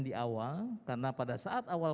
di awal karena pada saat awal